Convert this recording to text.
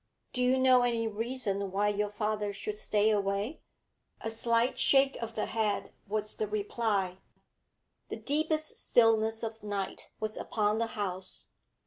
'Do you know any reason why your father should stay away?' A slight shake of the head was the reply. The deepest stillness of night was upon the house.